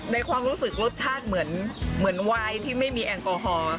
ความรู้สึกรสชาติเหมือนวายที่ไม่มีแอลกอฮอล์